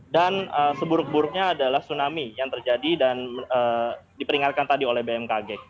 dan seburuk buruknya adalah tsunami yang terjadi dan diperingatkan tadi oleh bmkg